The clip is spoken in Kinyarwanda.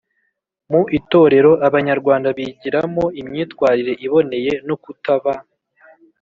mu itorero, abanyarwanda bigiramo imyitwarire iboneye no kutaba